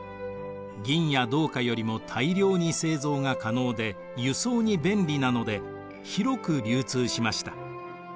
銀や銅貨よりも大量に製造が可能で輸送に便利なので広く流通しました。